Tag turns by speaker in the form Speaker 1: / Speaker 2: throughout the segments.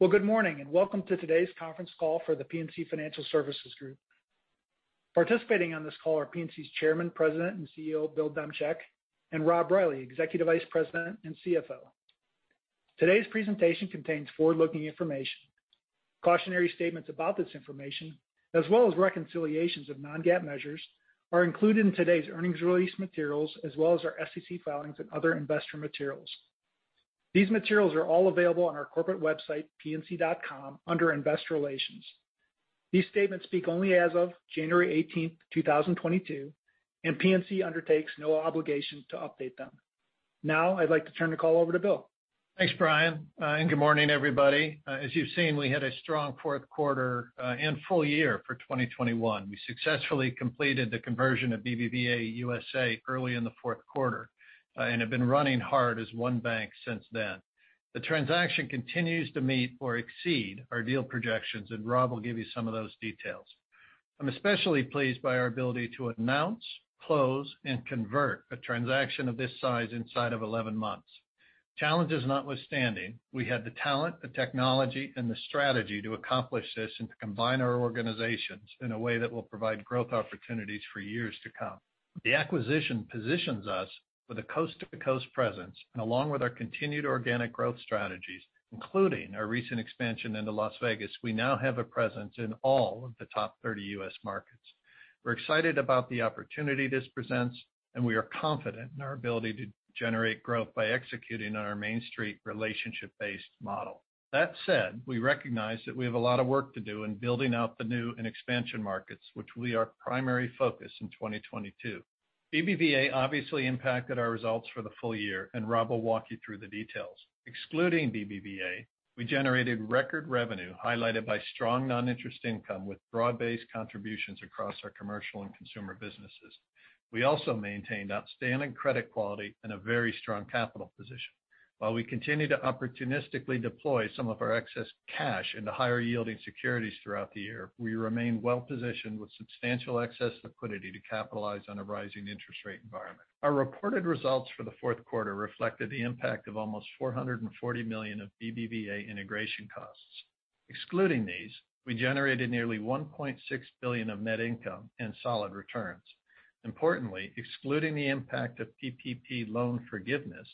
Speaker 1: Well, good morning and Welcome to Today's Conference Call for the PNC Financial Services Group. Participating on this call are PNC's Chairman, President, and CEO, Bill Demchak, and Rob Reilly, Executive Vice President and CFO. Today's presentation contains forward-looking information. Cautionary statements about this information, as well as reconciliations of non-GAAP measures, are included in today's earnings release materials, as well as our SEC filings and other investor materials. These materials are all available on our corporate website, pnc.com, under Investor Relations. These statements speak only as of January 18th, 2022, and PNC undertakes no obligation to update them. Now I'd like to turn the call over to Bill.
Speaker 2: Thanks, Bryan, and good morning, everybody. As you've seen, we had a strong Q4 and full year for 2021. We successfully completed the conversion of BBVA USA early in the Q4 and have been running hard as one bank since then. The transaction continues to meet or exceed our deal projections, and Rob will give you some of those details. I'm especially pleased by our ability to announce, close, and convert a transaction of this size inside of 11 months. Challenges notwithstanding, we had the talent, the technology, and the strategy to accomplish this and to combine our organizations in a way that will provide growth opportunities for years to come. The acquisition positions us with a coast-to-coast presence, and along with our continued organic growth strategies, including our recent expansion into Las Vegas, we now have a presence in all of the top 30 U.S. markets. We're excited about the opportunity this presents, and we are confident in our ability to generate growth by executing on our Main Street relationship-based model. That said, we recognize that we have a lot of work to do in building out the new and expansion markets, which will be our primary focus in 2022. BBVA obviously impacted our results for the full year, and Rob will walk you through the details. Excluding BBVA, we generated record revenue highlighted by strong non-interest income with broad-based contributions across our commercial and consumer businesses. We also maintained outstanding credit quality and a very strong capital position. While we continue to opportunistically deploy some of our excess cash into higher yielding securities throughout the year, we remain well positioned with substantial excess liquidity to capitalize on a rising interest rate environment. Our reported results for the Q4 reflected the impact of almost $440 million of BBVA integration costs. Excluding these, we generated nearly $1.6 billion of net income and solid returns. Importantly, excluding the impact of PPP loan forgiveness,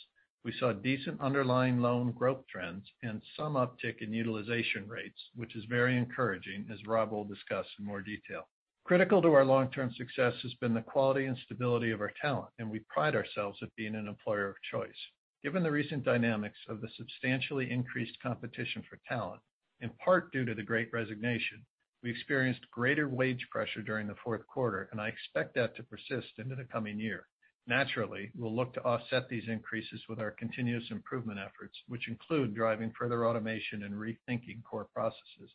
Speaker 2: we saw decent underlying loan growth trends and some uptick in utilization rates, which is very encouraging, as Rob will discuss in more detail. Critical to our long-term success has been the quality and stability of our talent, and we pride ourselves of being an employer of choice. Given the recent dynamics of the substantially increased competition for talent, in part due to the Great Resignation, we experienced greater wage pressure during the Q4, and I expect that to persist into the coming year. Naturally, we'll look to offset these increases with our continuous improvement efforts, which include driving further automation and rethinking core processes.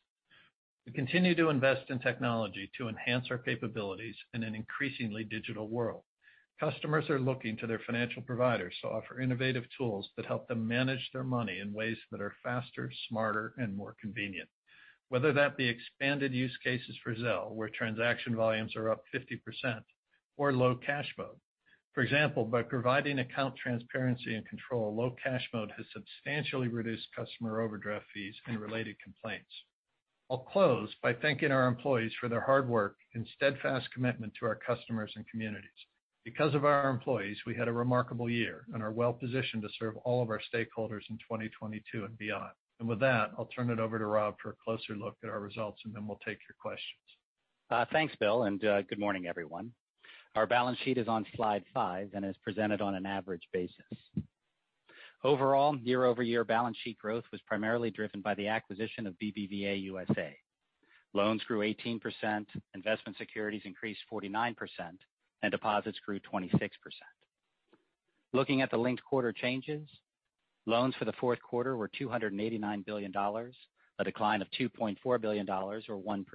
Speaker 2: We continue to invest in technology to enhance our capabilities in an increasingly digital world. Customers are looking to their financial providers to offer innovative tools that help them manage their money in ways that are faster, smarter, and more convenient. Whether that be expanded use cases for Zelle, where transaction volumes are up 50%, or Low Cash Mode. For example, by providing account transparency and control, Low Cash Mode has substantially reduced customer overdraft fees and related complaints. I'll close by thanking our employees for their hard work and steadfast commitment to our customers and communities. Because of our employees, we had a remarkable year and are well positioned to serve all of our stakeholders in 2022 and beyond. With that, I'll turn it over to Rob for a closer look at our results, and then we'll take your questions.
Speaker 3: Thanks, Bill, and good morning, everyone. Our balance sheet is on slide 5 and is presented on an average basis. Overall, year-over-year balance sheet growth was primarily driven by the acquisition of BBVA USA. Loans grew 18%, investment securities increased 49%, and deposits grew 26%. Looking at the linked quarter changes, loans for the Q4 were $289 billion, a decline of $2.4 billion or 1%.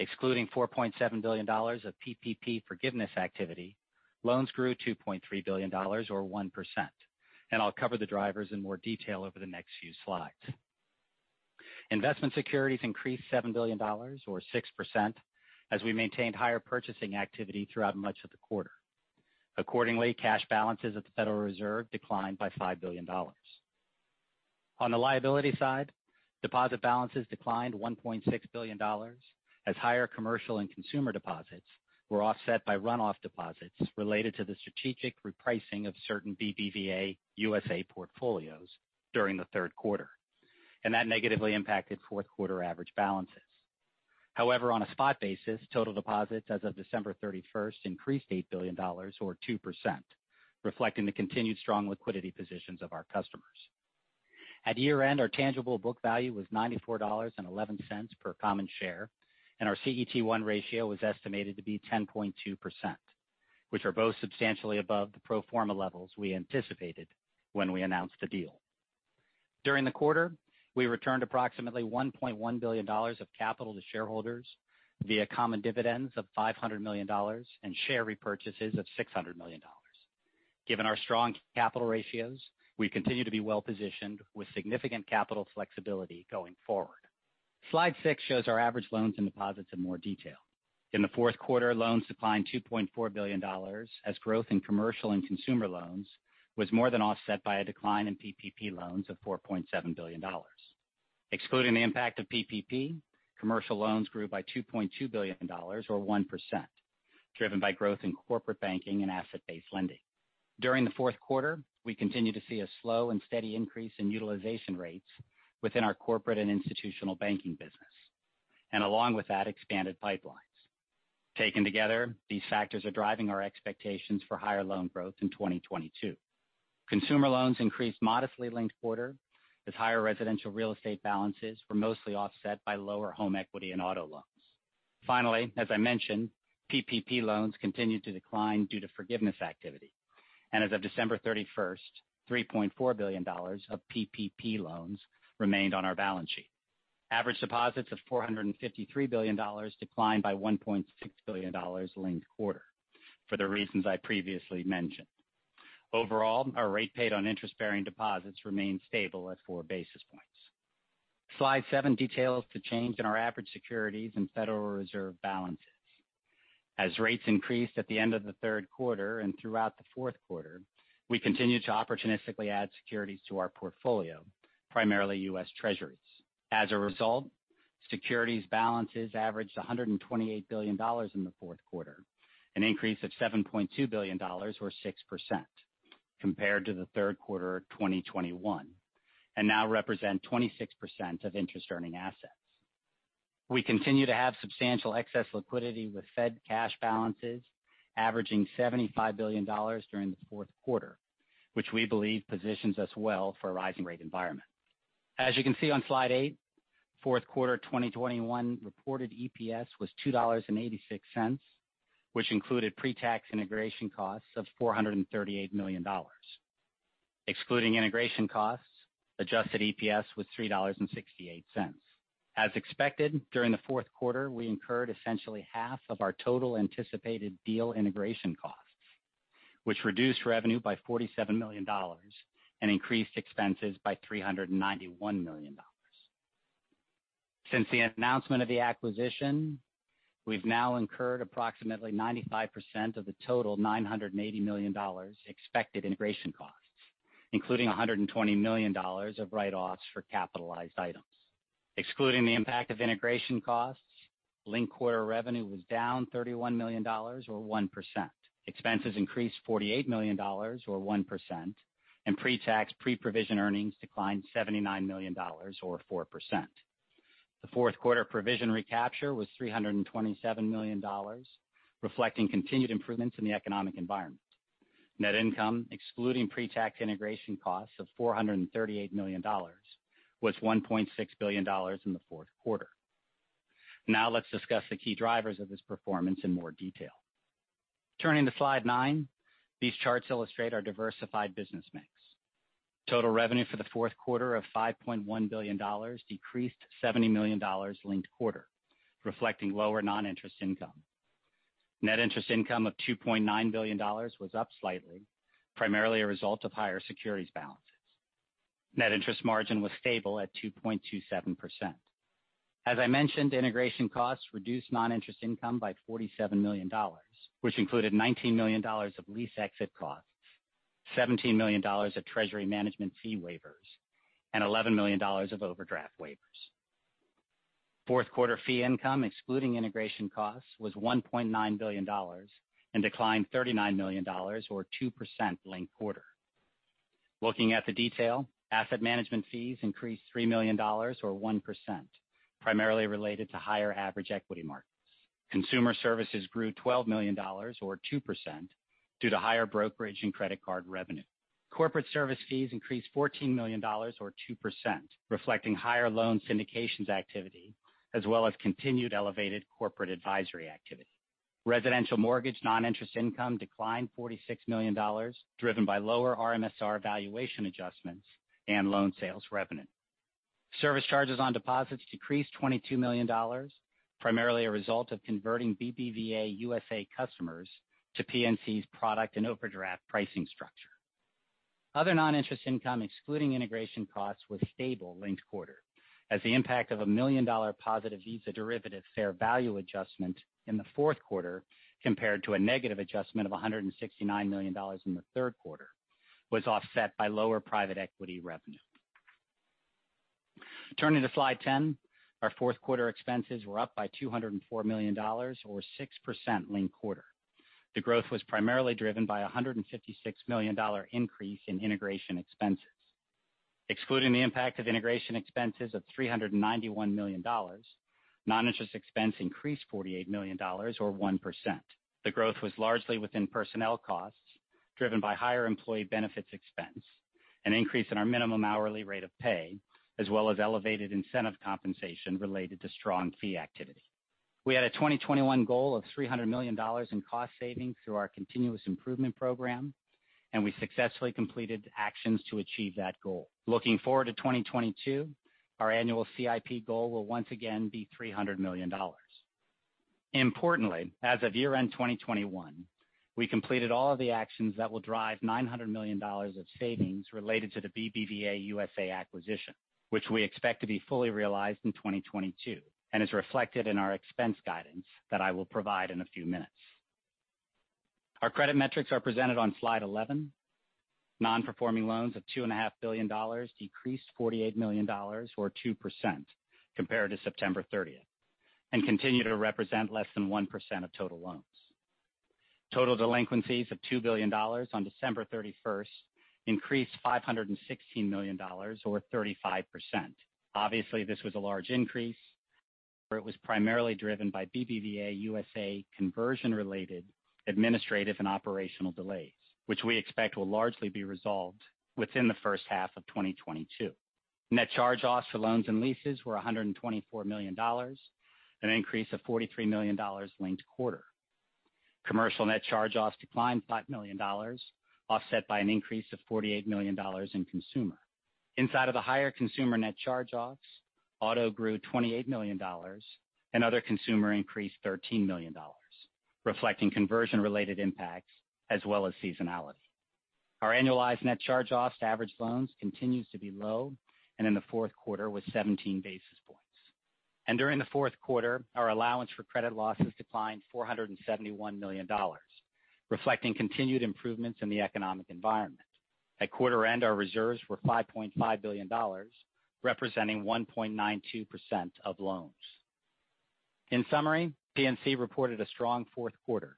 Speaker 3: Excluding $4.7 billion of PPP forgiveness activity, loans grew $2.3 billion or 1%. I'll cover the drivers in more detail over the next few slides. Investment securities increased $7 billion or 6% as we maintained higher purchasing activity throughout much of the quarter. Accordingly, cash balances at the Federal Reserve declined by $5 billion. On the liability side, deposit balances declined $1.6 billion as higher commercial and consumer deposits were offset by run-off deposits related to the strategic repricing of certain BBVA USA portfolios during the Q3, and that negatively impacted Q4 average balances. However, on a spot basis, total deposits as of December 31st increased $8 billion or 2%, reflecting the continued strong liquidity positions of our customers. At year-end, our tangible book value was $94.11 per common share, and our CET1 ratio was estimated to be 10.2%, which are both substantially above the pro forma levels we anticipated when we announced the deal. During the quarter, we returned approximately $1.1 billion of capital to shareholders via common dividends of $500 million and share repurchases of $600 million. Given our strong capital ratios, we continue to be well positioned with significant capital flexibility going forward. Slide six shows our average loans and deposits in more detail. In the Q4, loans declined $2.4 billion as growth in commercial and consumer loans was more than offset by a decline in PPP loans of $4.7 billion. Excluding the impact of PPP, commercial loans grew by $2.2 billion or 1%, driven by growth in corporate banking and asset-based lending. During the Q4, we continued to see a slow and steady increase in utilization rates within our corporate and institutional banking business and along with that expanded pipelines. Taken together, these factors are driving our expectations for higher loan growth in 2022. Consumer loans increased modestly linked quarter as higher residential real estate balances were mostly offset by lower home equity and auto loans. Finally, as I mentioned, PPP loans continued to decline due to forgiveness activity. As of December 31st, $3.4 billion of PPP loans remained on our balance sheet. Average deposits of $453 billion declined by $1.6 billion linked quarter for the reasons I previously mentioned. Overall, our rate paid on interest-bearing deposits remained stable at 4 basis points. Slide seven details the change in our average securities and Federal Reserve balances. As rates increased at the end of the Q3 and throughout the Q4, we continued to opportunistically add securities to our portfolio, primarily U.S. Treasuries. As a result, securities balances averaged $128 billion in the Q4, an increase of $7.2 billion or 6% compared to the Q3 of 2021, and now represent 26% of interest earning assets. We continue to have substantial excess liquidity with Fed cash balances averaging $75 billion during the Q4, which we believe positions us well for a rising rate environment. As you can see on slide eight, Q4 2021 reported EPS was $2.86, which included pre-tax integration costs of $438 million. Excluding integration costs, adjusted EPS was $3.68. As expected, during the Q4, we incurred essentially half of our total anticipated deal integration costs, which reduced revenue by $47 million and increased expenses by $391 million. Since the announcement of the acquisition, we've now incurred approximately 95% of the total $980 million expected integration costs, including $120 million of write-offs for capitalized items. Excluding the impact of integration costs, linked quarter revenue was down $31 million or 1%. Expenses increased $48 million or 1%, and pre-tax, pre-provision earnings declined $79 million or 4%. The Q4 provision recapture was $327 million, reflecting continued improvements in the economic environment. Net income, excluding pre-tax integration costs of $438 million, was $1.6 billion in the Q4. Now let's discuss the key drivers of this performance in more detail. Turning to slide nine, these charts illustrate our diversified business mix. Total revenue for the Q4 of $5.1 billion decreased $70 million linked quarter, reflecting lower non-interest income. Net interest income of $2.9 billion was up slightly, primarily a result of higher securities balances. Net interest margin was stable at 2.27%. As I mentioned, integration costs reduced non-interest income by $47 million, which included $19 million of lease exit costs, $17 million of treasury management fee waivers, and $11 million of overdraft waivers. Q4 fee income, excluding integration costs, was $1.9 billion and declined $39 million or 2% linked quarter. Looking at the detail, asset management fees increased $3 million or 1%, primarily related to higher average equity markets. Consumer services grew $12 million or 2% due to higher brokerage and credit card revenue. Corporate service fees increased $14 million or 2%, reflecting higher loan syndications activity as well as continued elevated corporate advisory activity. Residential mortgage non-interest income declined $46 million, driven by lower MSR valuation adjustments and loan sales revenue. Service charges on deposits decreased $22 million, primarily a result of converting BBVA USA customers to PNC's product and overdraft pricing structure. Other non-interest income excluding integration costs was stable linked quarter as the impact of a $1 million positive Visa derivative fair value adjustment in the Q4 compared to a negative adjustment of $169 million in the Q3 was offset by lower private equity revenue. Turning to slide 10, our Q4 expenses were up by $204 million or 6% linked quarter. The growth was primarily driven by a $156 million increase in integration expenses. Excluding the impact of integration expenses of $391 million, non-interest expense increased $48 million or 1%. The growth was largely within personnel costs driven by higher employee benefits expense, an increase in our minimum hourly rate of pay, as well as elevated incentive compensation related to strong fee activity. We had a 2021 goal of $300 million in cost savings through our continuous improvement program, and we successfully completed actions to achieve that goal. Looking forward to 2022, our annual CIP goal will once again be $300 million. Importantly, as of year-end 2021, we completed all of the actions that will drive $900 million of savings related to the BBVA USA acquisition, which we expect to be fully realized in 2022 and is reflected in our expense guidance that I will provide in a few minutes. Our credit metrics are presented on slide 11. Non-performing loans of $2.5 billion decreased $48 million or 2% compared to September 30th, and continue to represent less than 1% of total loans. Total delinquencies of $2 billion on December 31st increased $516 million or 35%. Obviously, this was a large increase, for it was primarily driven by BBVA USA conversion-related administrative and operational delays, which we expect will largely be resolved within the H1 of 2022. Net charge-offs for loans and leases were $124 million, an increase of $43 million linked quarter. Commercial net charge-offs declined $5 million, offset by an increase of $48 million in consumer. Inside of the higher consumer net charge-offs, auto grew $28 million and other consumer increased $13 million, reflecting conversion-related impacts as well as seasonality. Our annualized net charge-offs to average loans continues to be low and in the Q4 was 17 basis points. During the Q4, our allowance for credit losses declined $471 million, reflecting continued improvements in the economic environment. At quarter end, our reserves were $5.5 billion, representing 1.92% of loans. In summary, PNC reported a strong Q4,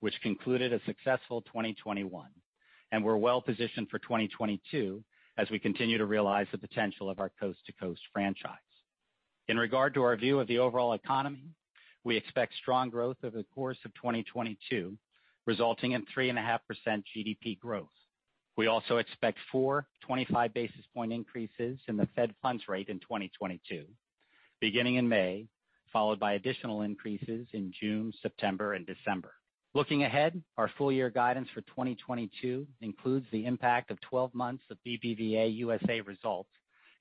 Speaker 3: which concluded a successful 2021, and we're well positioned for 2022 as we continue to realize the potential of our coast-to-coast franchise. In regard to our view of the overall economy, we expect strong growth over the course of 2022, resulting in 3.5% GDP growth. We also expect four 25 basis point increases in the Fed funds rate in 2022, beginning in May, followed by additional increases in June, September, and December. Looking ahead, our full year guidance for 2022 includes the impact of 12 months of BBVA USA results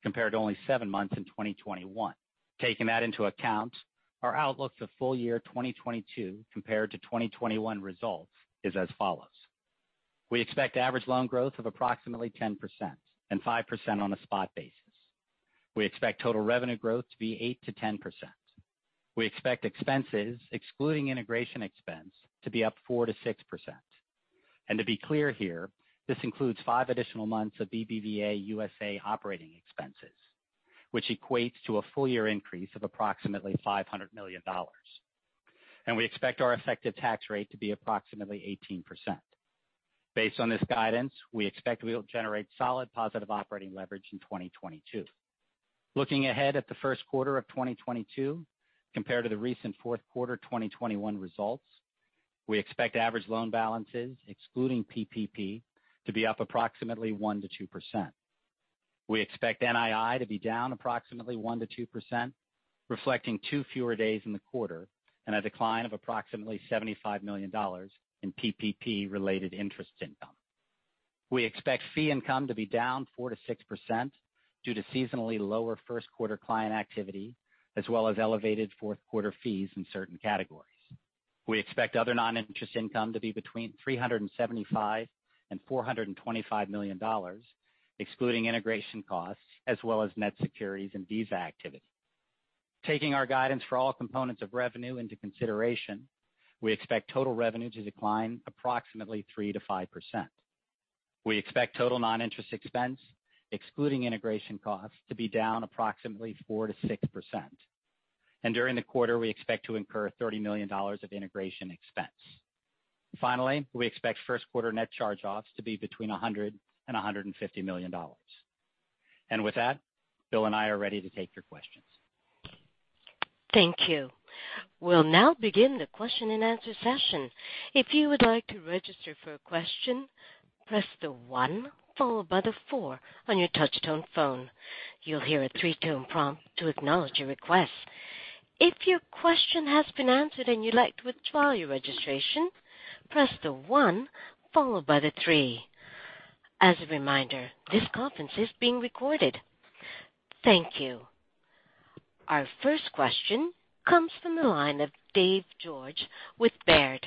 Speaker 3: compared to only 7 months in 2021. Taking that into account, our outlook for full year 2022 compared to 2021 results is as follows. We expect average loan growth of approximately 10% and 5% on a spot basis. We expect total revenue growth to be 8%-10%. We expect expenses, excluding integration expense, to be up 4%-6%. To be clear here, this includes 5 additional months of BBVA USA operating expenses, which equates to a full year increase of approximately $500 million. We expect our effective tax rate to be approximately 18%. Based on this guidance, we expect we will generate solid positive operating leverage in 2022. Looking ahead at the Q1 of 2022 compared to the recent Q4 2021 results, we expect average loan balances, excluding PPP, to be up approximately 1%-2%. We expect NII to be down approximately 1%-2%, reflecting 2 fewer days in the quarter and a decline of approximately $75 million in PPP related interest income. We expect fee income to be down 4%-6% due to seasonally lower Q1 client activity as well as elevated Q4 fees in certain categories. We expect other non-interest income to be between $375 million and $425 million, excluding integration costs as well as net securities and Visa activity. Taking our guidance for all components of revenue into consideration, we expect total revenue to decline approximately 3%-5%. We expect total non-interest expense, excluding integration costs, to be down approximately 4%-6%. During the quarter, we expect to incur $30 million of integration expense. Finally, we expect Q1 net charge-offs to be between $100 million and $150 million. With that, Bill and I are ready to take your questions.
Speaker 4: Thank you. We'll now begin the question and answer session. If you would like to register for a question, press the one followed by the four on your touchtone phone. You'll hear a three-tone prompt to acknowledge your request. If your question has been answered and you'd like to withdraw your registration, press the one followed by the three. As a reminder, this conference is being recorded. Thank you. Our first question comes from the line of Dave George with Baird.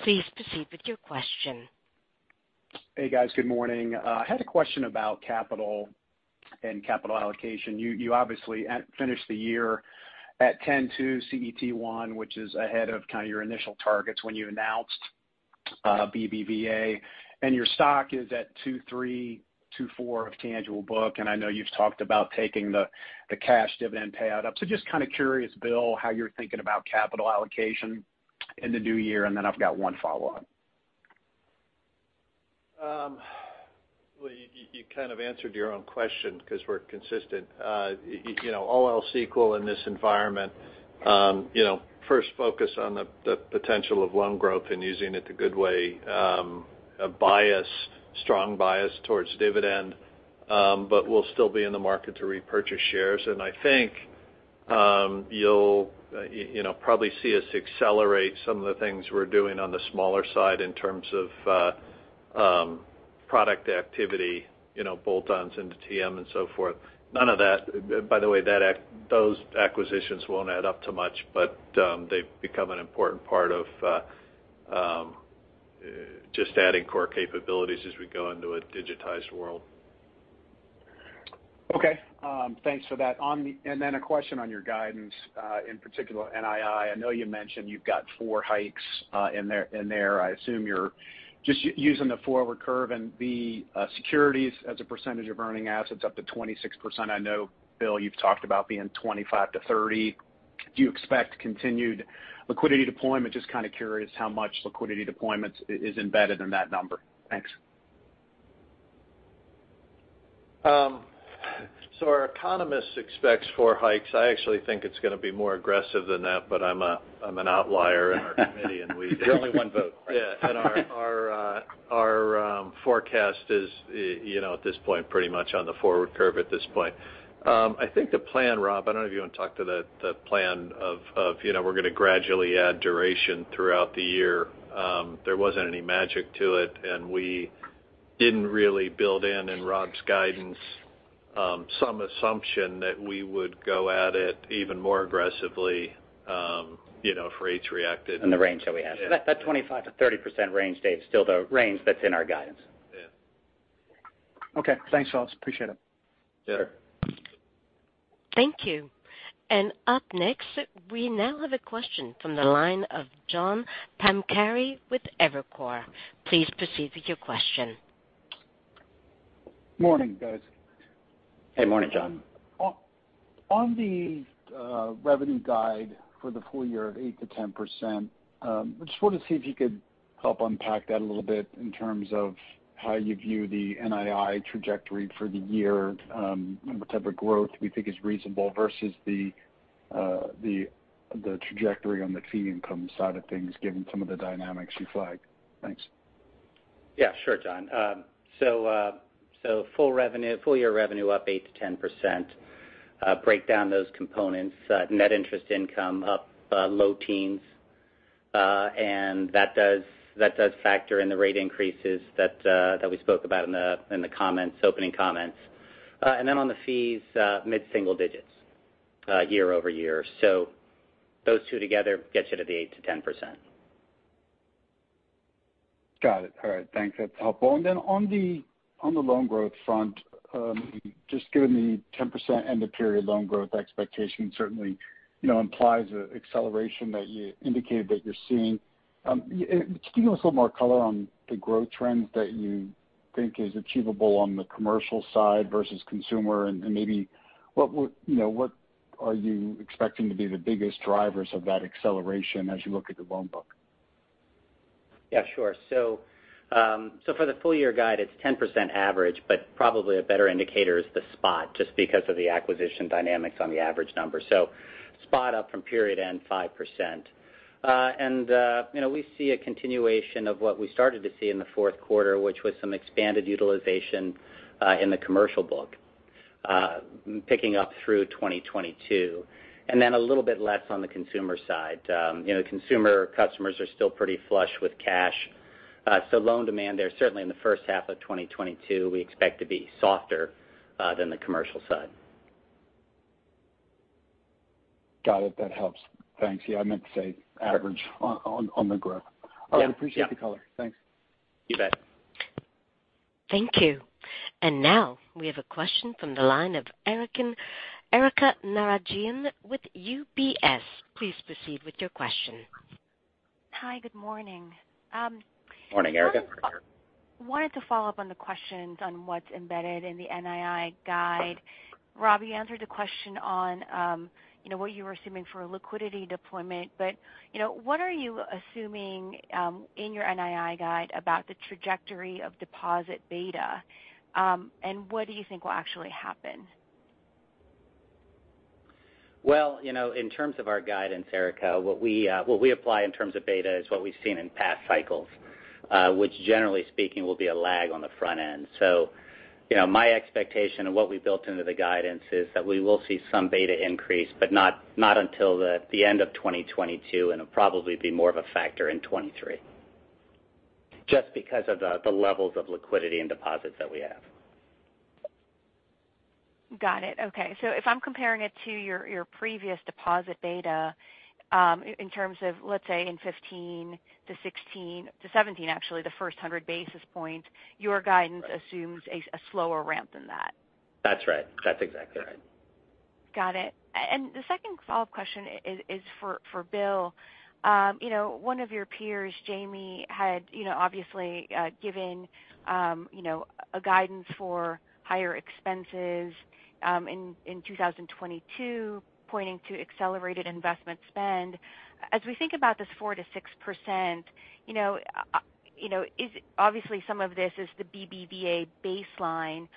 Speaker 4: Please proceed with your question.
Speaker 5: Hey, guys. Good morning. I had a question about capital and capital allocation. You obviously finished the year at 10.2 CET1, which is ahead of kind of your initial targets when you announced BBVA, and your stock is at 2.3, 2.4 of tangible book, and I know you've talked about taking the cash dividend payout up. Just kind of curious, Bill, how you're thinking about capital allocation in the new year, and then I've got one follow-up.
Speaker 2: Well, you kind of answered your own question because we're consistent. You know, all else equal in this environment, you know, first focus on the potential of loan growth and using it the good way, a strong bias towards dividend, but we'll still be in the market to repurchase shares. I think you'll, you know, probably see us accelerate some of the things we're doing on the smaller side in terms of Product activity, you know, bolt-ons into TM and so forth. None of that, by the way, those acquisitions won't add up to much, but they've become an important part of just adding core capabilities as we go into a digitized world.
Speaker 5: Okay. Thanks for that. A question on your guidance, in particular NII. I know you mentioned you've got 4 hikes in there. I assume you're just using the forward curve and the securities as a percentage of earning assets up to 26%. I know, Bill, you've talked about being 25%-30%. Do you expect continued liquidity deployment? Just kind of curious how much liquidity deployment is embedded in that number. Thanks.
Speaker 2: Our economist expects 4 hikes. I actually think it's gonna be more aggressive than that, but I'm an outlier in our committee.
Speaker 5: You're only one vote.
Speaker 2: Yeah. Our forecast is, you know, at this point, pretty much on the forward curve at this point. I think the plan, Rob. I don't know if you want to talk to the plan, you know, we're gonna gradually add duration throughout the year. There wasn't any magic to it, and we didn't really build in Rob's guidance some assumption that we would go at it even more aggressively, you know, if rates reacted-
Speaker 3: In the range that we have.
Speaker 2: Yeah.
Speaker 3: That 25%-30% range, Dave, is still the range that's in our guidance.
Speaker 2: Yeah.
Speaker 5: Okay. Thanks, folks. Appreciate it.
Speaker 2: Sure.
Speaker 3: Sure.
Speaker 4: Thank you. Up next, we now have a question from the line of John Pancari with Evercore. Please proceed with your question.
Speaker 6: Morning, guys.
Speaker 3: Hey, morning, John.
Speaker 6: The revenue guide for the full year of 8%-10%, I just wanted to see if you could help unpack that a little bit in terms of how you view the NII trajectory for the year, what type of growth we think is reasonable versus the trajectory on the fee income side of things, given some of the dynamics you flagged. Thanks.
Speaker 3: Yeah. Sure, John. Full revenue, full-year revenue up 8%-10%. Break down those components, net interest income up low teens%. That does factor in the rate increases that we spoke about in the opening comments. Then on the fees, mid-single digits% year-over-year. Those two together gets you to the 8%-10%.
Speaker 6: Got it. All right. Thanks. That's helpful. On the loan growth front, just given the 10% end-of-period loan growth expectation certainly, you know, implies an acceleration that you indicated that you're seeing. Could you give us a little more color on the growth trends that you think is achievable on the commercial side versus consumer? Maybe what would, you know, what are you expecting to be the biggest drivers of that acceleration as you look at the loan book?
Speaker 3: Yeah. Sure. For the full year guide, it's 10% average, but probably a better indicator is the spot just because of the acquisition dynamics on the average number. Spot up from period end 5%. You know, we see a continuation of what we started to see in the Q4, which was some expanded utilization in the commercial book, picking up through 2022. A little bit less on the consumer side. You know, consumer customers are still pretty flush with cash. Loan demand there, certainly in the H1 of 2022, we expect to be softer than the commercial side.
Speaker 6: Got it. That helps. Thanks. Yeah, I meant to say average on the growth.
Speaker 3: Yeah.
Speaker 6: All right. Appreciate the color. Thanks.
Speaker 3: You bet.
Speaker 4: Thank you. Now we have a question from the line of Erika Najarian with UBS. Please proceed with your question.
Speaker 7: Hi. Good morning.
Speaker 3: Morning, Erika.
Speaker 7: I wanted to follow up on the questions on what's embedded in the NII guide. Rob, you answered the question on, you know, what you were assuming for liquidity deployment. You know, what are you assuming, in your NII guide about the trajectory of deposit beta? What do you think will actually happen?
Speaker 3: Well, you know, in terms of our guidance, Erika, what we apply in terms of beta is what we've seen in past cycles, which generally speaking will be a lag on the front end. You know, my expectation of what we built into the guidance is that we will see some beta increase, but not until the end of 2022, and it'll probably be more of a factor in 2023, just because of the levels of liquidity and deposits that we have.
Speaker 7: Got it. Okay. If I'm comparing it to your previous deposit data, in terms of, let's say, in 2015 to 2016 to 2017 actually, the first 100 basis points, your guidance assumes a slower ramp than that.
Speaker 3: That's right. That's exactly right.
Speaker 7: Got it. The second follow-up question is for Bill. You know, one of your peers, Jamie, had you know obviously given you know a guidance for higher expenses in 2022, pointing to accelerated investment spend. As we think about this 4%-6%, you know you know is it obviously some of this is the BBVA baseline.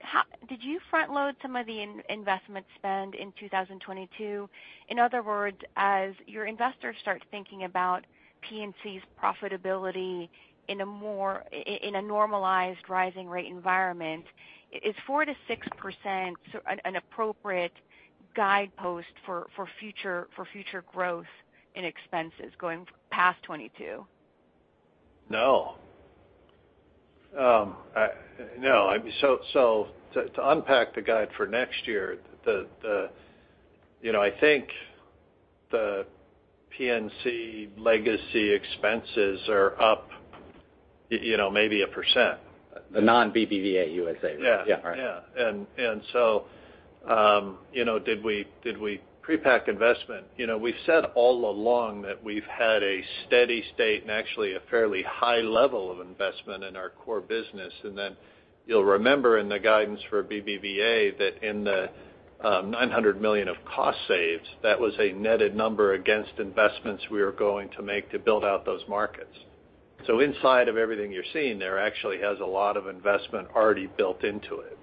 Speaker 7: How did you front load some of the investment spend in 2022? In other words, as your investors start thinking about PNC's profitability in a more in a normalized rising rate environment, is 4%-6% an appropriate guidepost for future growth in expenses going past 2022?
Speaker 2: No. I mean, to unpack the guide for next year, you know, I think the PNC legacy expenses are up, you know, maybe 1%.
Speaker 3: The non-BBVA USA.
Speaker 2: Yeah.
Speaker 3: Yeah. All right.
Speaker 2: Yeah. You know, did we pre-pack investment? You know, we've said all along that we've had a steady state and actually a fairly high level of investment in our core business. Then you'll remember in the guidance for BBVA that in the $900 million of cost saves, that was a netted number against investments we are going to make to build out those markets. Inside of everything you're seeing there actually has a lot of investment already built into it.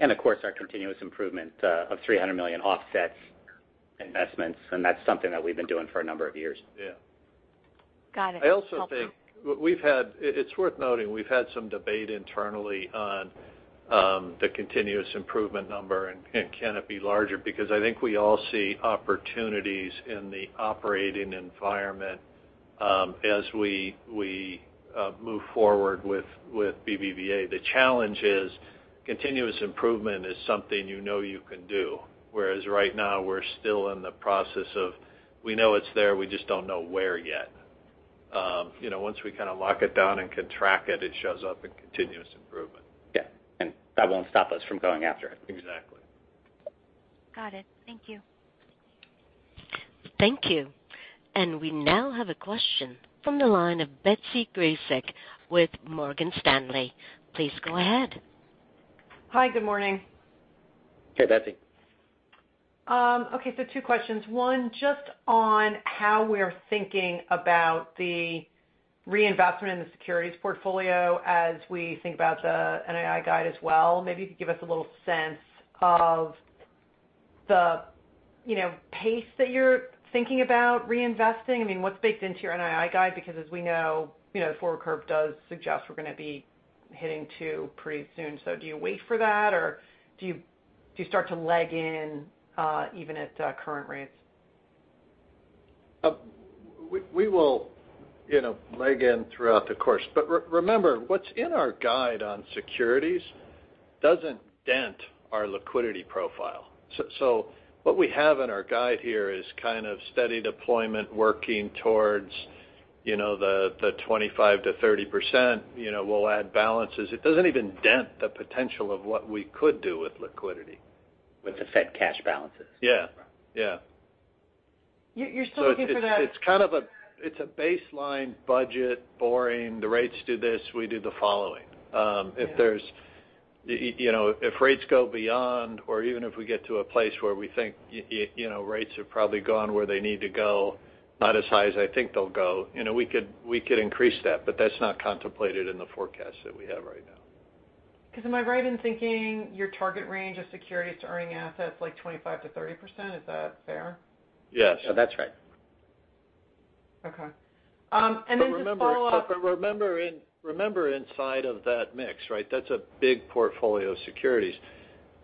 Speaker 3: Of course, our continuous improvement of $300 million offsets investments, and that's something that we've been doing for a number of years.
Speaker 2: Yeah.
Speaker 7: Got it.
Speaker 2: I also think we've had. It's worth noting we've had some debate internally on the continuous improvement number and can it be larger? Because I think we all see opportunities in the operating environment as we move forward with BBVA. The challenge is continuous improvement is something you know you can do, whereas right now we're still in the process of we know it's there, we just don't know where yet. You know, once we kind of lock it down and can track it shows up in continuous improvement.
Speaker 3: Yeah. That won't stop us from going after it.
Speaker 2: Exactly.
Speaker 7: Got it. Thank you.
Speaker 4: Thank you. We now have a question from the line of Betsy Graseck with Morgan Stanley. Please go ahead.
Speaker 8: Hi. Good morning.
Speaker 2: Hey, Betsy.
Speaker 8: Okay, two questions. One, just on how we're thinking about the reinvestment in the securities portfolio as we think about the NII guide as well. Maybe you could give us a little sense of the you know pace that you're thinking about reinvesting. I mean, what's baked into your NII guide? Because as we know, the forward curve does suggest we're gonna be hitting two pretty soon. Do you wait for that, or do you start to leg in even at current rates?
Speaker 2: We will, you know, leg in throughout the course. Remember, what's in our guide on securities doesn't dent our liquidity profile. What we have in our guide here is kind of steady deployment working towards, you know, the 25%-30%. You know, we'll add balances. It doesn't even dent the potential of what we could do with liquidity.
Speaker 3: With the Fed cash balances.
Speaker 2: Yeah.
Speaker 3: Right.
Speaker 2: Yeah.
Speaker 8: You're still looking for that.
Speaker 2: It's kind of a baseline budget, boring. The rates do this, we do the following. You know, if rates go beyond or even if we get to a place where we think, you know, rates have probably gone where they need to go, not as high as I think they'll go, you know, we could increase that, but that's not contemplated in the forecast that we have right now.
Speaker 8: 'Cause am I right in thinking your target range of securities to earning assets like 25%-30%, is that fair?
Speaker 2: Yes.
Speaker 3: That's right.
Speaker 8: Okay. To follow up.
Speaker 2: Remember inside of that mix, right? That's a big portfolio of securities.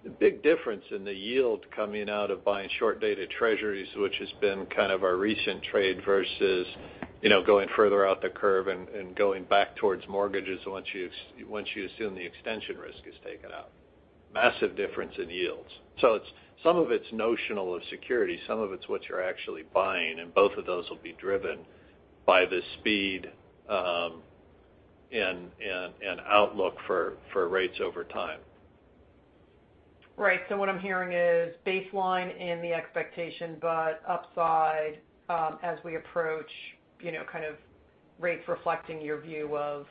Speaker 2: The big difference in the yield coming out of buying short-dated Treasuries, which has been kind of our recent trade versus going further out the curve and going back towards mortgages once you assume the extension risk is taken out. Massive difference in yields. It's some of it's notional of securities, some of it's what you're actually buying, and both of those will be driven by the speed and outlook for rates over time.
Speaker 8: Right. What I'm hearing is baseline in the expectation but upside, as we approach, you know, kind of rates reflecting your view of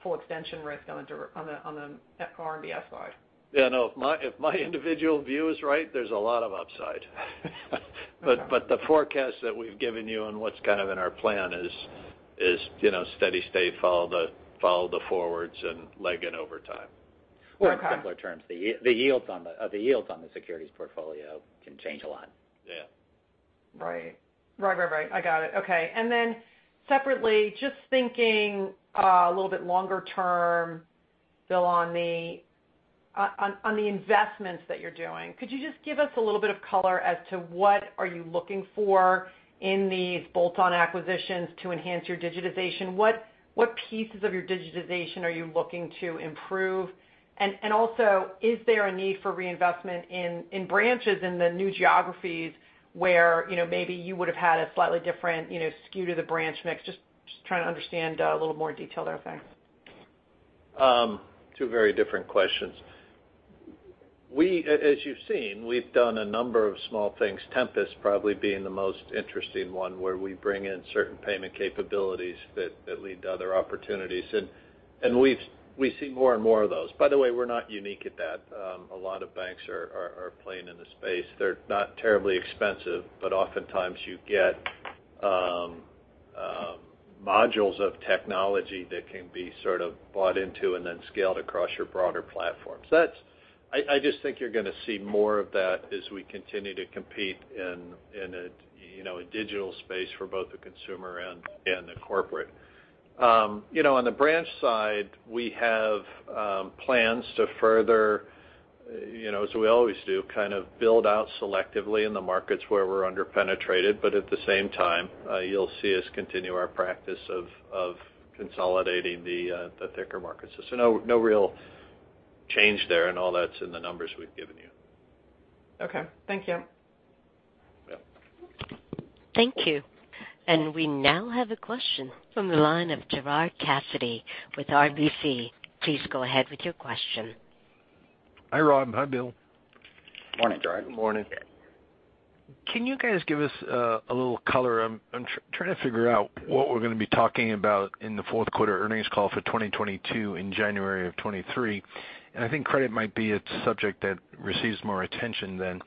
Speaker 8: full extension risk on the RMBS side.
Speaker 2: Yeah, no. If my individual view is right, there's a lot of upside. The forecast that we've given you and what's kind of in our plan is, you know, steady state, follow the forwards and leg in over time.
Speaker 8: Okay.
Speaker 3: In simpler terms, the yields on the securities portfolio can change a lot.
Speaker 2: Yeah.
Speaker 8: Right. I got it. Okay. Separately, just thinking a little bit longer term, Bill, on the investments that you're doing. Could you just give us a little bit of color as to what are you looking for in these bolt-on acquisitions to enhance your digitization? What pieces of your digitization are you looking to improve? Also, is there a need for reinvestment in branches in the new geographies where, you know, maybe you would've had a slightly different, you know, skew to the branch mix? Just trying to understand a little more detail there, thanks.
Speaker 2: Two very different questions. As you've seen, we've done a number of small things, Tempus probably being the most interesting one, where we bring in certain payment capabilities that lead to other opportunities. We see more and more of those. By the way, we're not unique at that. A lot of banks are playing in the space. They're not terribly expensive, but oftentimes you get modules of technology that can be sort of bought into and then scaled across your broader platforms. That's it. I just think you're gonna see more of that as we continue to compete in a, you know, digital space for both the consumer and the corporate. You know, on the branch side, we have plans to, you know, as we always do, kind of build out selectively in the markets where we're under-penetrated. But at the same time, you'll see us continue our practice of consolidating the thicker markets. No real change there, and all that's in the numbers we've given you.
Speaker 8: Okay. Thank you.
Speaker 2: Yep.
Speaker 4: Thank you. We now have a question from the line of Gerard Cassidy with RBC. Please go ahead with your question.
Speaker 9: Hi, Rob. Hi, Bill.
Speaker 2: Morning, Gerard.
Speaker 3: Morning.
Speaker 9: Can you guys give us a little color? I'm trying to figure out what we're gonna be talking about in the Q4 earnings call for 2022 in January of 2023. I think credit might be a subject that receives more attention then.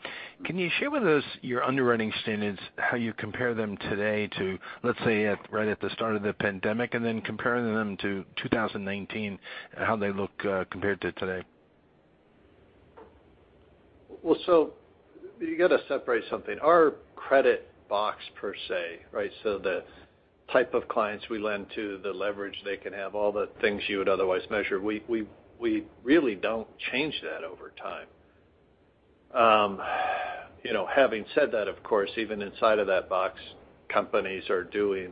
Speaker 9: Can you share with us your underwriting standards, how you compare them today to, let's say, at right at the start of the pandemic, and then comparing them to 2019, how they look compared to today?
Speaker 2: Well, you got to separate something. Our credit box per se, right? The type of clients we lend to, the leverage they can have, all the things you would otherwise measure, we really don't change that over time. You know, having said that, of course, even inside of that box, companies are doing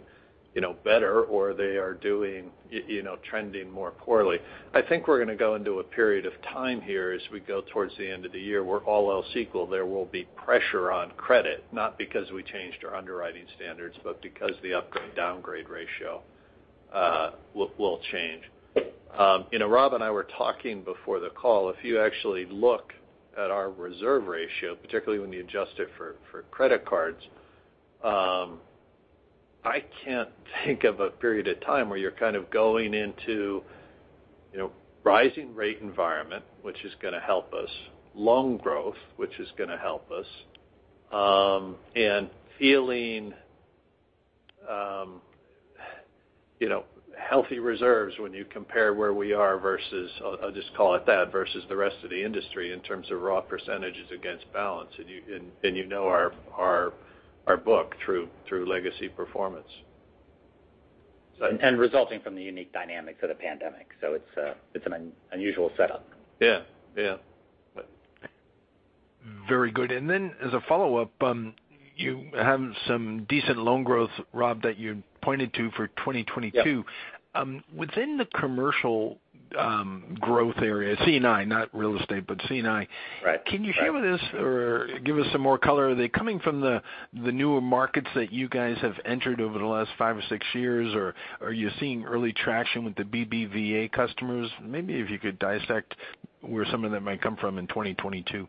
Speaker 2: you know better or they are doing you know trending more poorly. I think we're gonna go into a period of time here as we go towards the end of the year where all else equal, there will be pressure on credit, not because we changed our underwriting standards, but because the upgrade downgrade ratio will change. You know, Rob and I were talking before the call. If you actually look at our reserve ratio, particularly when you adjust it for credit cards, I can't think of a period of time where you're kind of going into, you know, rising rate environment, which is gonna help us, loan growth, which is gonna help us, and feeling, you know, healthy reserves when you compare where we are versus, I'll just call it that, versus the rest of the industry in terms of raw percentages against balance. You know our book through legacy performance.
Speaker 3: So-
Speaker 2: Resulting from the unique dynamics of the pandemic. It's an unusual setup.
Speaker 9: Yeah. Very good. As a follow-up, you have some decent loan growth, Rob, that you pointed to for 2022.
Speaker 2: Yep.
Speaker 9: Within the commercial growth area, C&I, not real estate, but C&I.
Speaker 2: Right.
Speaker 9: Can you share with us or give us some more color? Are they coming from the newer markets that you guys have entered over the last five or six years, or are you seeing early traction with the BBVA customers? Maybe if you could dissect where some of that might come from in 2022.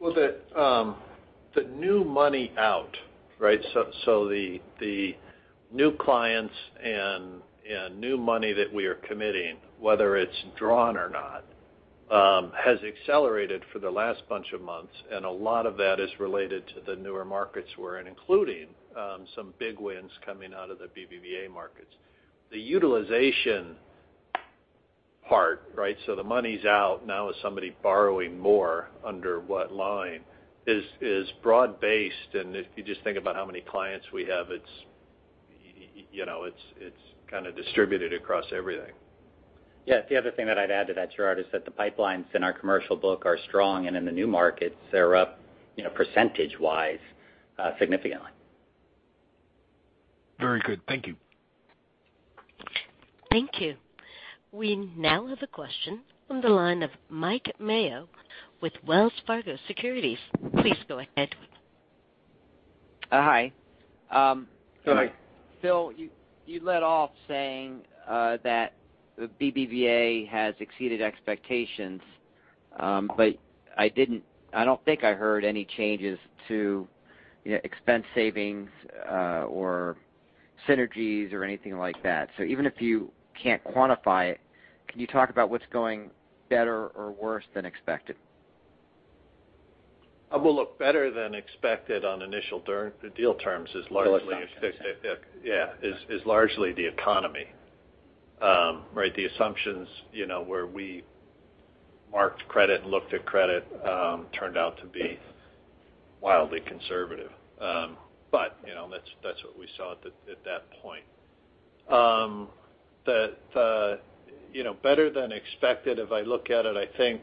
Speaker 2: Well, the new money out, right? So the new clients and new money that we are committing, whether it's drawn or not, has accelerated for the last bunch of months, and a lot of that is related to the newer markets we're in, including some big wins coming out of the BBVA markets. The utilization part, right? So the money's out, now is somebody borrowing more under what line is broad-based. If you just think about how many clients we have, you know, it's kind of distributed across everything.
Speaker 3: Yeah. The other thing that I'd add to that, Gerard, is that the pipelines in our commercial book are strong, and in the new markets, they're up, you know, percentage-wise, significantly.
Speaker 9: Very good. Thank you.
Speaker 4: Thank you. We now have a question from the line of Mike Mayo with Wells Fargo Securities. Please go ahead.
Speaker 10: Hi.
Speaker 2: Go ahead.
Speaker 10: Phil, you led off saying that BBVA has exceeded expectations. I don't think I heard any changes to, you know, expense savings or synergies or anything like that. Even if you can't quantify it, can you talk about what's going better or worse than expected?
Speaker 2: Well, look, better than expected on the deal terms is largely-
Speaker 10: The assumptions.
Speaker 2: Yeah. It is largely the economy, right? The assumptions, you know, where we marked credit and looked at credit, turned out to be wildly conservative. You know, that's what we saw at that point. The you know, better than expected, if I look at it, I think,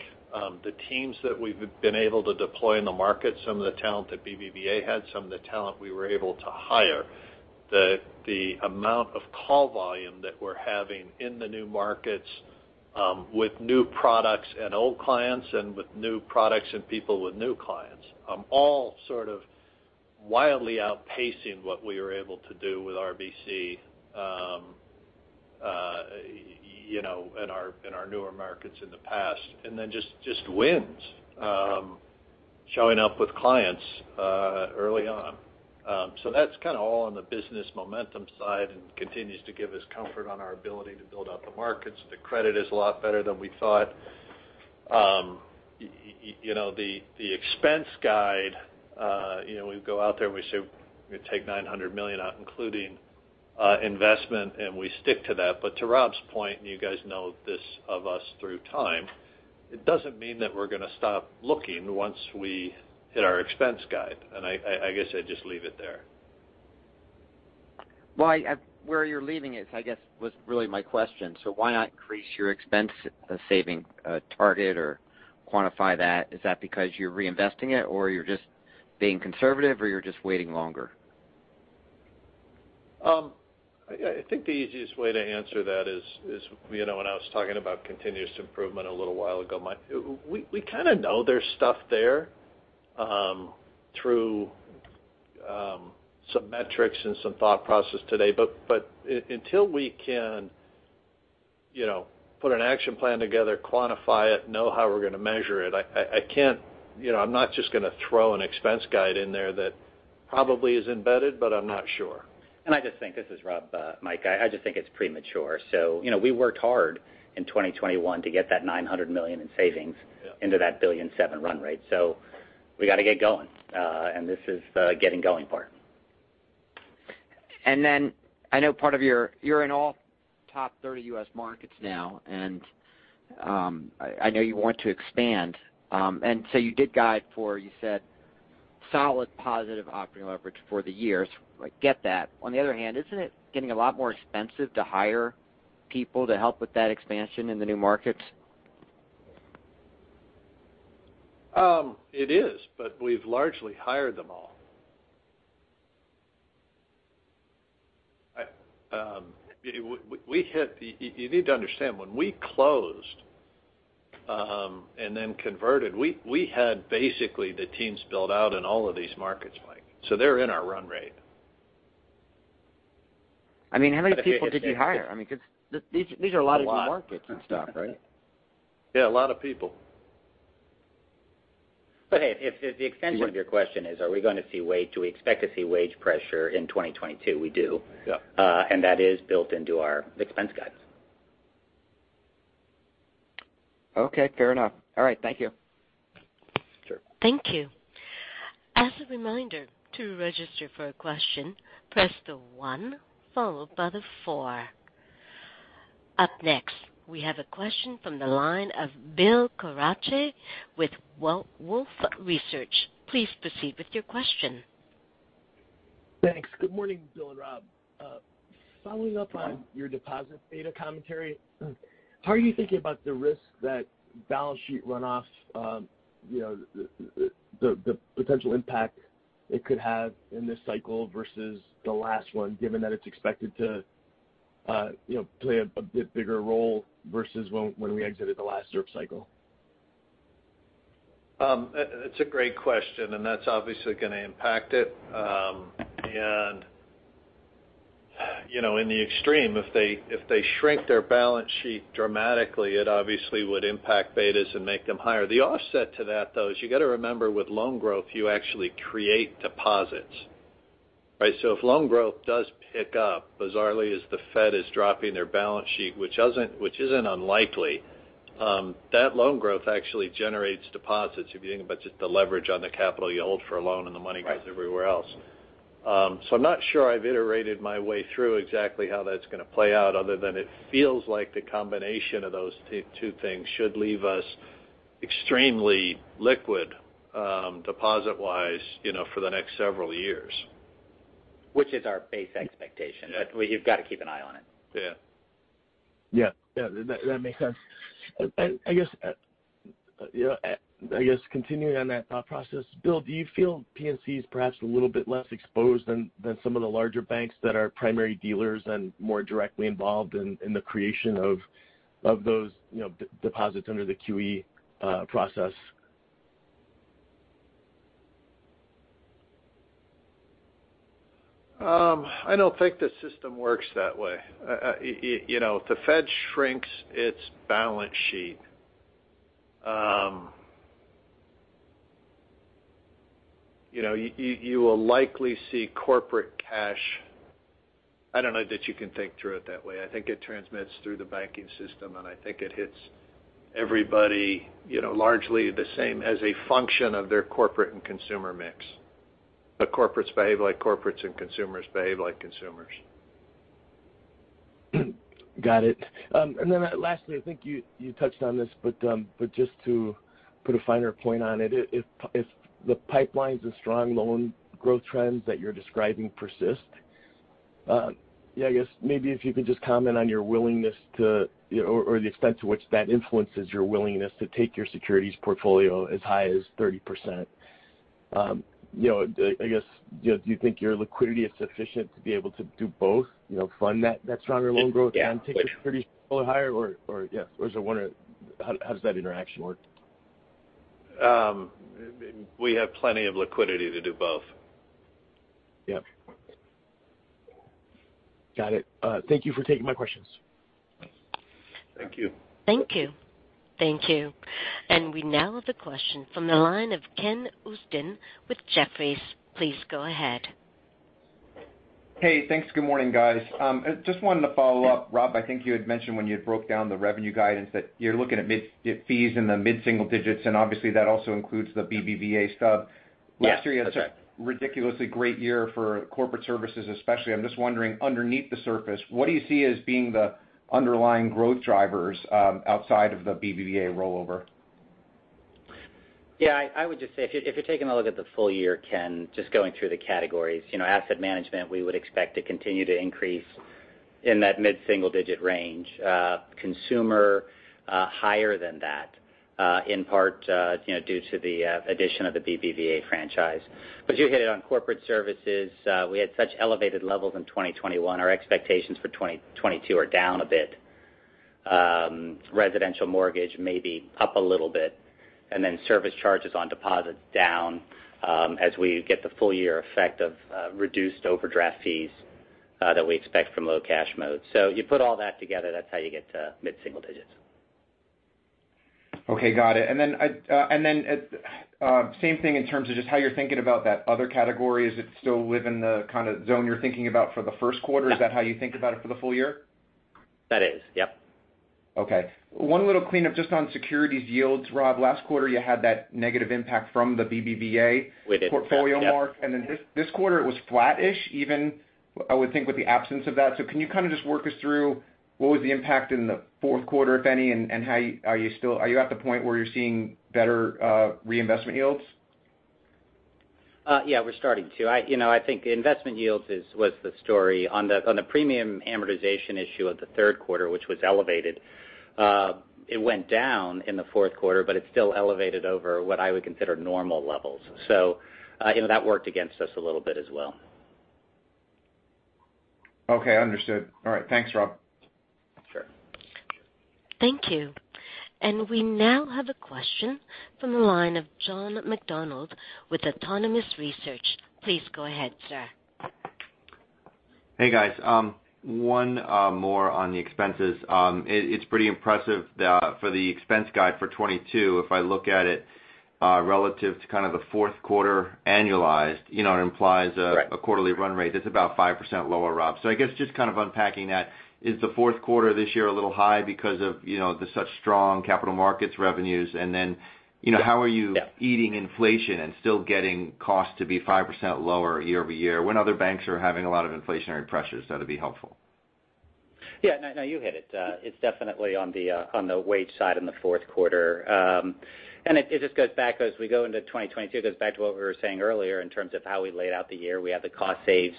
Speaker 2: the teams that we've been able to deploy in the market, some of the talent that BBVA had, some of the talent we were able to hire, the amount of call volume that we're having in the new markets, with new products and old clients and with new products and people with new clients, all sort of wildly outpacing what we were able to do with RBC, you know, in our newer markets in the past, and then just wins, showing up with clients, early on. That's kind of all on the business momentum side and continues to give us comfort on our ability to build out the markets. The credit is a lot better than we thought. You know, the expense guide, you know, we go out there and we say we take $900 million out, including investment, and we stick to that. To Rob's point, and you guys know this of us over time, it doesn't mean that we're gonna stop looking once we hit our expense guide. I guess I'd just leave it there.
Speaker 10: Well, where you're leaving it, I guess, was really my question. Why not increase your expense savings target or quantify that? Is that because you're reinvesting it, or you're just being conservative, or you're just waiting longer?
Speaker 2: I think the easiest way to answer that is, you know, when I was talking about continuous improvement a little while ago, Mike, we kind of know there's stuff there through some metrics and some thought process today. But until we can, you know, put an action plan together, quantify it, know how we're gonna measure it, I can't. You know, I'm not just gonna throw an expense guidance in there that probably is embedded, but I'm not sure.
Speaker 3: I just think, this is Rob, Mike, it's premature. You know, we worked hard in 2021 to get that $900 million in savings-
Speaker 2: Yeah.
Speaker 3: into that $1.7 billion run rate. We gotta get going, and this is the getting going part.
Speaker 10: I know part of your. You're in all top 30 U.S. markets now, and I know you want to expand. You did guide for, you said, solid positive operating leverage for the years. I get that. On the other hand, isn't it getting a lot more expensive to hire people to help with that expansion in the new markets?
Speaker 2: It is, but we've largely hired them all. You need to understand, when we closed and then converted, we had basically the teams built out in all of these markets, Mike. So they're in our run rate.
Speaker 10: I mean, how many people did you hire? I mean, 'cause these are a lot of new markets and stuff, right?
Speaker 2: Yeah, a lot of people.
Speaker 3: Hey, if the extension of your question is, do we expect to see wage pressure in 2022? We do.
Speaker 2: Yeah.
Speaker 3: that is built into our expense guides.
Speaker 10: Okay. Fair enough. All right. Thank you.
Speaker 2: Sure.
Speaker 4: Thank you. As a reminder, to register for a question, press the one followed by the four. Up next, we have a question from the line of Bill Carcache with Wolfe Research. Please proceed with your question.
Speaker 11: Thanks. Good morning, Bill and Rob. Following up on your deposit beta commentary, how are you thinking about the risk that balance sheet runoff, you know, the potential impact it could have in this cycle versus the last one, given that it's expected to, you know, play a bit bigger role versus when we exited the last tightening cycle?
Speaker 2: It's a great question, and that's obviously gonna impact it. You know, in the extreme, if they shrink their balance sheet dramatically, it obviously would impact betas and make them higher. The offset to that, though, is you got to remember, with loan growth, you actually create deposits, right? If loan growth does pick up, bizarrely as the Fed is dropping their balance sheet, which isn't unlikely, that loan growth actually generates deposits if you think about just the leverage on the capital you hold for a loan, and the money goes everywhere else. I'm not sure I've iterated my way through exactly how that's gonna play out other than it feels like the combination of those two things should leave us extremely liquid, deposit-wise, you know, for the next several years.
Speaker 3: Which is our base expectation.
Speaker 2: Yeah.
Speaker 3: We've got to keep an eye on it.
Speaker 2: Yeah.
Speaker 11: Yeah. Yeah. That makes sense. I guess, you know, I guess continuing on that thought process, Bill, do you feel PNC is perhaps a little bit less exposed than some of the larger banks that are primary dealers and more directly involved in the creation of those, you know, deposits under the QE process?
Speaker 2: I don't think the system works that way. You know, if the Fed shrinks its balance sheet, you know, you will likely see corporate cash. I don't know that you can think through it that way. I think it transmits through the banking system, and I think it hits everybody, you know, largely the same as a function of their corporate and consumer mix. Corporates behave like corporates, and consumers behave like consumers.
Speaker 11: Got it. Then lastly, I think you touched on this, but just to put a finer point on it, if the pipelines and strong loan growth trends that you're describing persist, I guess maybe if you could just comment on your willingness to, you know, or the extent to which that influences your willingness to take your securities portfolio as high as 30%. You know, I guess, you know, do you think your liquidity is sufficient to be able to do both, you know, fund that stronger loan growth and take it 30 or higher? Or yeah. I was just wondering how does that interaction work?
Speaker 2: We have plenty of liquidity to do both.
Speaker 11: Yep. Got it. Thank you for taking my questions.
Speaker 2: Thank you.
Speaker 4: Thank you. Thank you. We now have a question from the line of Ken Usdin with Jefferies. Please go ahead.
Speaker 12: Hey, thanks. Good morning, guys. Just wanted to follow up. Rob, I think you had mentioned when you broke down the revenue guidance that you're looking at mid fees in the mid-single digits, and obviously that also includes the BBVA stub.
Speaker 3: Yeah. That's right.
Speaker 12: Last year you had a ridiculously great year for corporate services especially. I'm just wondering, underneath the surface, what do you see as being the underlying growth drivers, outside of the BBVA rollover?
Speaker 3: Yeah, I would just say if you're taking a look at the full year, Ken, just going through the categories, you know, asset management, we would expect to continue to increase in that mid-single digit range. Consumer, higher than that, in part, you know, due to the addition of the BBVA franchise. But you hit it on corporate services. We had such elevated levels in 2021. Our expectations for 2022 are down a bit. Residential mortgage may be up a little bit and then service charges on deposits down, as we get the full year effect of reduced overdraft fees that we expect from Low Cash Mode. You put all that together, that's how you get to mid-single digits.
Speaker 12: Okay. Got it. Same thing in terms of just how you're thinking about that other category. Is it still within the kind of zone you're thinking about for the Q1? Is that how you think about it for the full year?
Speaker 3: That is. Yep.
Speaker 12: Okay. One little cleanup just on securities yields, Rob. Last quarter, you had that negative impact from the BBVA-
Speaker 3: We did.
Speaker 12: Portfolio mark. Then this quarter, it was flat-ish even, I would think, with the absence of that. Can you kind of just walk us through what was the impact in the Q4, if any, and are you at the point where you're seeing better reinvestment yields?
Speaker 3: Yeah, we're starting to. I, you know, I think investment yields was the story. On the premium amortization issue of the Q3, which was elevated, it went down in the Q4, but it's still elevated over what I would consider normal levels. You know, that worked against us a little bit as well.
Speaker 12: Okay. Understood. All right. Thanks, Rob.
Speaker 3: Sure.
Speaker 4: Thank you. We now have a question from the line of John McDonald with Autonomous Research. Please go ahead, sir.
Speaker 13: Hey, guys. One more on the expenses. It's pretty impressive, the expense guide for 2022. If I look at it relative to kind of the Q4 annualized, you know, it implies a-
Speaker 3: Right
Speaker 13: A quarterly run rate that's about 5% lower, Rob. I guess just kind of unpacking that, is the Q4 this year a little high because of, you know, the such strong capital markets revenues? And then, you know, how are you beating inflation and still getting costs to be 5% lower year-over-year when other banks are having a lot of inflationary pressures? That'd be helpful.
Speaker 3: Yeah. No, you hit it. It's definitely on the wage side in the Q4. It just goes back, as we go into 2022, to what we were saying earlier in terms of how we laid out the year. We have the cost saves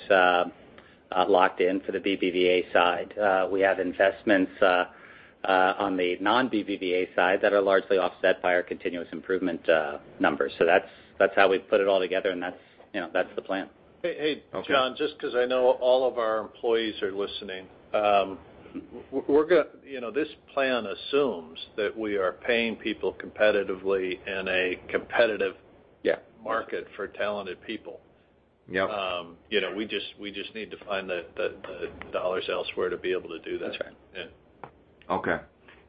Speaker 3: locked in for the BBVA side. We have investments on the non-BBVA side that are largely offset by our continuous improvement numbers. That's how we put it all together, and that's, you know, the plan.
Speaker 2: Hey, John.
Speaker 13: Okay.
Speaker 2: Just 'cause I know all of our employees are listening. You know, this plan assumes that we are paying people competitively in a competitive-
Speaker 3: Yeah.
Speaker 2: market for talented people.
Speaker 3: Yep.
Speaker 2: You know, we just need to find the dollars elsewhere to be able to do that.
Speaker 3: That's right.
Speaker 2: Yeah.
Speaker 13: Okay.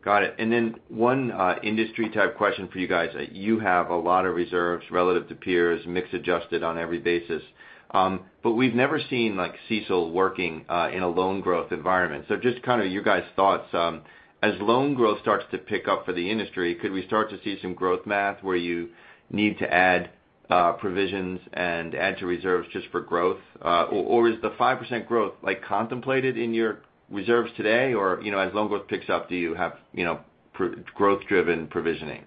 Speaker 13: Got it. Then one industry type question for you guys. You have a lot of reserves relative to peers, mix adjusted on every basis. But we've never seen, like, CECL working in a loan growth environment. Just kind of your guys' thoughts as loan growth starts to pick up for the industry. Could we start to see some growth math where you need to add provisions and add to reserves just for growth? Or is the 5% growth, like, contemplated in your reserves today? Or, you know, as loan growth picks up, do you have, you know, growth-driven provisioning?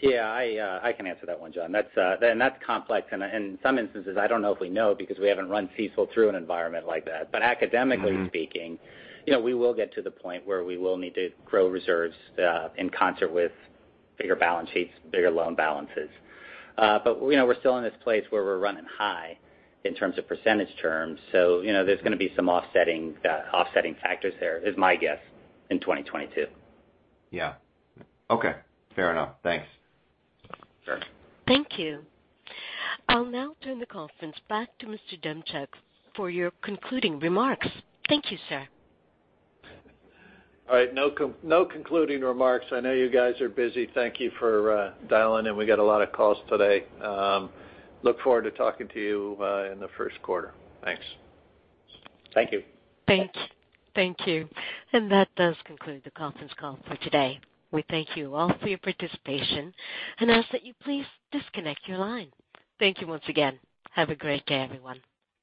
Speaker 3: Yeah. I can answer that one, John. That's complex. In some instances, I don't know if we know because we haven't run CECL through an environment like that.
Speaker 13: Mm-hmm.
Speaker 3: Academically speaking, you know, we will get to the point where we will need to grow reserves in concert with bigger balance sheets, bigger loan balances. You know, we're still in this place where we're running high in terms of percentage terms. You know, there's gonna be some offsetting factors that's my guess in 2022.
Speaker 13: Yeah. Okay. Fair enough. Thanks.
Speaker 3: Sure.
Speaker 4: Thank you. I'll now turn the conference back to Mr. Demchak for your concluding remarks. Thank you, sir.
Speaker 2: All right. No concluding remarks. I know you guys are busy. Thank you for dialing in. We got a lot of calls today. Look forward to talking to you in the Q1. Thanks.
Speaker 3: Thank you.
Speaker 4: Thank you. That does conclude the conference call for today. We thank you all for your participation and ask that you please disconnect your line. Thank you once again. Have a great day, everyone.